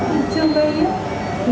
như chương trình